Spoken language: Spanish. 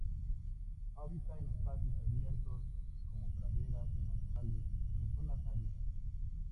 Habita en espacios abiertos, como praderas y matorrales en zonas áridas.